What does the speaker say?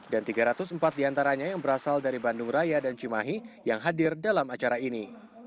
dan tiga ratus empat diantaranya yang berasal dari bandung raya dan cimahi yang hadir dalam acara ini